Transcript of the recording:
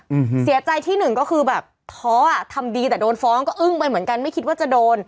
อืมเสียใจที่หนึ่งก็คือแบบท้ออ่ะทำดีแต่โดนฟ้องก็อึ้งไปเหมือนกันไม่คิดว่าจะโดน